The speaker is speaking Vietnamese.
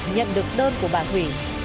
nhận được đơn của bà thủy